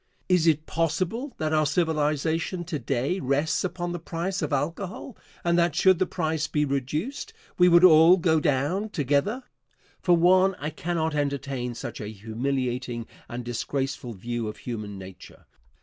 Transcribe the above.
It is possible that our civilization to day rests upon the price of alcohol, and that, should the price be reduced, we would all go down together? For one, I cannot entertain such a humiliating and disgraceful view of human nature.